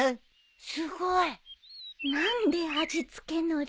すごい。何で味付けのりを。